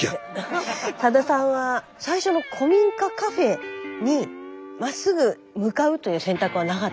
さださんは最初の古民家カフェにまっすぐ向かうという選択はなかったんですか？